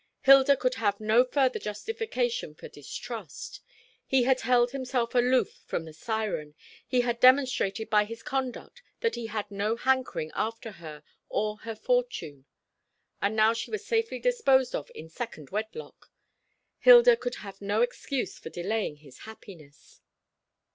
Hilda could have no further justification for distrust. He had held himself aloof from the siren, he had demonstrated by his conduct that he had no hankering after her or her fortune; and now that she was safely disposed of in second wedlock, Hilda could have no excuse for delaying his happiness.